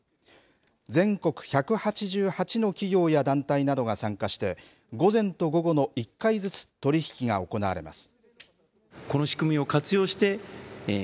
全国１８８の企業や団体などが参加して、午前と午後の１回ずつ、取り引きが行われます。